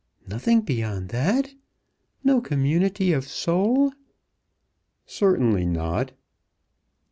"Nothing beyond that? No community of soul?" "Certainly not."